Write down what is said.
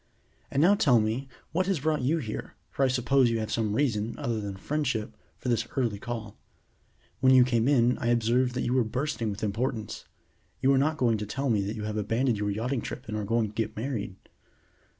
And now tell me what has brought you here, for I suppose you have some reason, other than friendship, for this early call. When you came in I observed that you were bursting with importance. You are not going to tell me that you have abandoned your yachting trip and are going to get married?"